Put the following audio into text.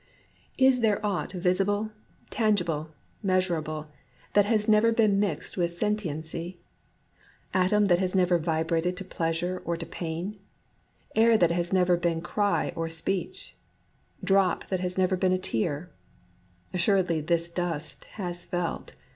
Is there aught visible, tangible, measurable, that has never been mixed with sentiency ?— atom that has never vibrated to pleasure or to pain ?— air that has never been cry or speech ?— drop that has never been a tear ? Assur edly this dust has felt.